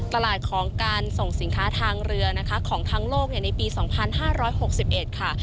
ตลาดของการส่งสินค้าทางเรือนะคะของทั้งโลกในปี๒๕๖๑ค่ะ